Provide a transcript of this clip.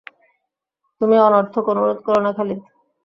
তুমি অনর্থক অনুরোধ করো না খালিদ।